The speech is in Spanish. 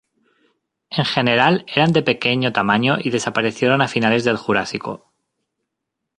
En general eran de pequeño tamaño y desaparecieron a finales de Jurásico.